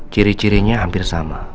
ciri cirinya hampir sama